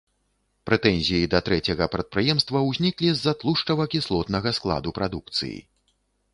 Прэтэнзіі да трэцяга прадпрыемства ўзніклі з-за тлушчава-кіслотнага складу прадукцыі.